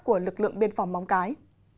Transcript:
của lực lượng biên phòng móng cái